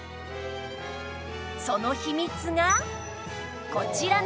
その秘密がこちらのフック